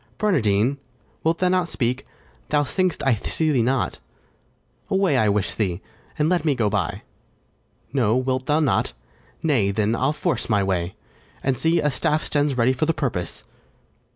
Barnardine! Wilt thou not speak? thou think'st I see thee not; Away, I'd wish thee, and let me go by: No, wilt thou not? nay, then, I'll force my way; And, see, a staff stands ready for the purpose.